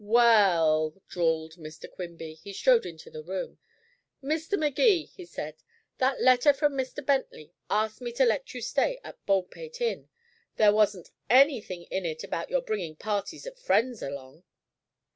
"Well," drawled Mr. Quimby. He strode into the room. "Mr. Magee," he said, "that letter from Mr. Bentley asked me to let you stay at Baldpate Inn. There wasn't anything in it about your bringing parties of friends along."